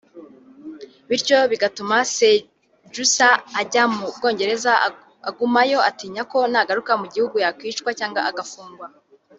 bityo biza gutuma Sejusa ajya mu Bwongereza agumayo atinya ko nagaruka mu gihugu yakwicwa cyangwa agafungwa